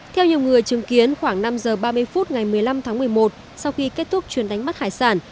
theo nhiều người chứng kiến khoảng năm giờ ba mươi phút ngày một mươi năm tháng một mươi một sau khi kết thúc chuyến đánh bắt hải sản